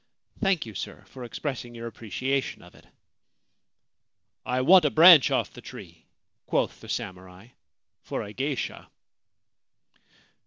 Thank you, sir, for expressing your apprecia tion of it.' < 1 want a branch off the tree/ quoth the samurai, 4 for a geisha.'